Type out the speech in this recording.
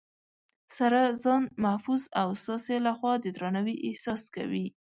سره ځان محفوظ او ستاسې لخوا د درناوي احساس کوي